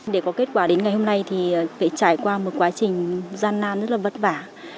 để có kết quả đến ngày hôm nay thì phải trải qua một quá trình gian nan rất là vất vả